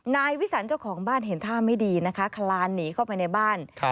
นายวิสันเจ้าของบ้านเห็นท่าไม่ดีนะคะคลานหนีเข้าไปในบ้าน